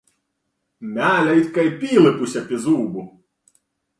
Mēle it kai pīlypuse pi zūbu.